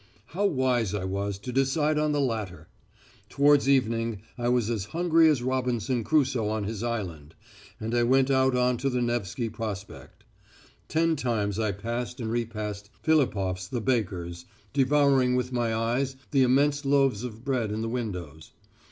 "How wise I was to decide on the latter! Towards evening I was as hungry as Robinson Crusoe on his island, and I went out on to the Nevsky Prospect. Ten times I passed and repassed Philipof's the baker's, devouring with my eyes the immense loaves of bread in the windows.